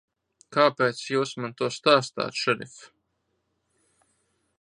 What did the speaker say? Kāpēc Jūs man to stāstāt, šerif?